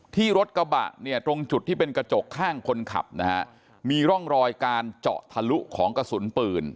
ที่รถกระบะเนี่ยตรงจุดที่เป็นกระจกข้างคนขับนะฮะมีร่องรอยการเจาะทะลุของกระสุนปืน